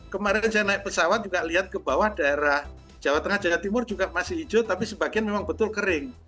kemarin saya naik pesawat juga lihat ke bawah daerah jawa tengah jawa timur juga masih hijau tapi sebagian memang betul kering